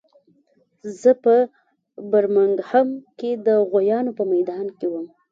زه په برمنګهم کې د غویانو په میدان کې وم